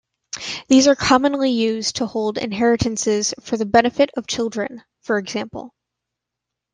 These are commonly used to hold inheritances for the benefit of children, for example.